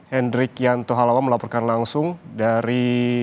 hendrik yanto halawan melaporkan langsung dari